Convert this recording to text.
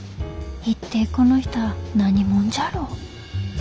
一体この人あ何もんじゃろう？